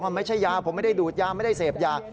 มันไม่ใช่ยาผมไม่ได้ดูดยาไม่ได้เสพยา